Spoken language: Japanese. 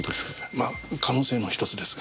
まあ可能性の１つですが。